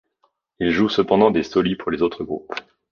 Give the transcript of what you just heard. Il joue cependant des soli pour les autres groupes.